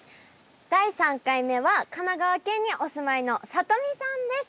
第３回目は神奈川県にお住まいのさとみさんです。